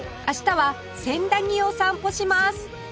明日は千駄木を散歩します